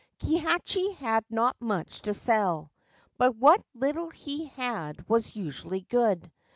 Kihachi had not much to sell ; but what little he had was usually good.